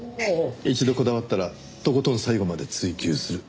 一度こだわったらとことん最後まで追求する。